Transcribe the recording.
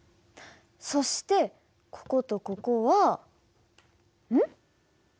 そしてこことここは。うん？あれ？